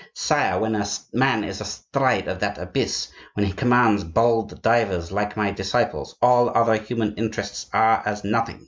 Sire, when a man is astride of that abyss, when he commands bold divers like my disciples, all other human interests are as nothing.